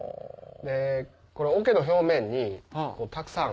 これ桶の表面にたくさん。